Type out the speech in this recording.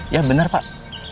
ya bener pak